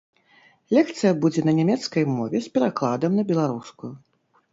Лекцыя будзе на нямецкай мове з перакладам на беларускую.